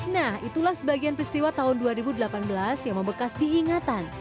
nah itulah sebagian peristiwa tahun dua ribu delapan belas yang membekas diingatan